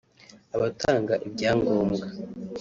abatanga ibyangombwa